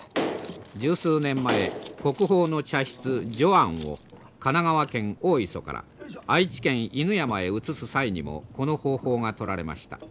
十数年前国宝の茶室如庵を神奈川県大磯から愛知県犬山へ移す際にもこの方法が採られました。